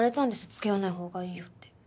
付き合わないほうがいいよって。